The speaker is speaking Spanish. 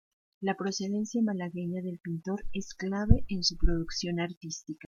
La procedencia malagueña del pintor es clave en su producción artística.